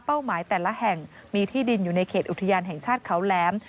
หมายแต่ละแห่งมีที่ดินอยู่ในเขตอุทยานแห่งชาติเขาแหลม